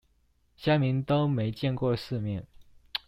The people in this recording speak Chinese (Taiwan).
鄉民都沒見過世面